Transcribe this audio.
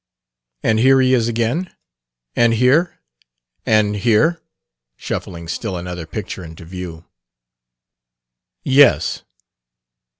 "And here he is again? And here? And here?" shuffling still another picture into view. "Yes."